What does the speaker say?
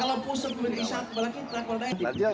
kalau positif berarti terakur